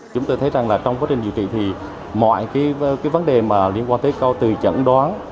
chúng tôi thấy rằng là trong quá trình điều trị thì mọi cái vấn đề mà liên quan tới câu từ chẩn đoán